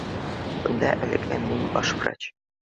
— Бында әлегә мин баш врач